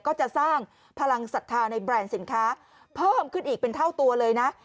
ก็จะสร้างพลังศรัทธาในแบรนด์สินค้าเพิ่มขึ้นอีกเป็นเท่าตัวเลยนะ